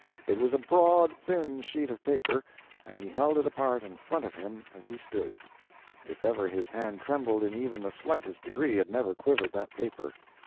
It was a broad, thin sheet of paper, and he held it apart in front of him as he stood. If ever his hand trembled in even the slightest degree, it never quivered that paper.